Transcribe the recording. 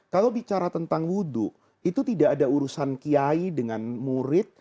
kalau bicara tentang wudhu itu tidak ada urusan kiai dengan murid